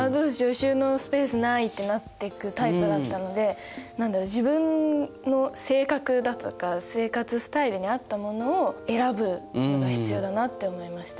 収納スペースない！ってなってくタイプだったので何だろう自分の性格だとか生活スタイルに合ったものを選ぶのが必要だなって思いました。